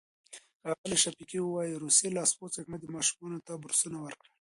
ښاغلی شفیقي وايي، روسي لاسپوڅي حکومت ماشومانو ته بورسونه ورکړل.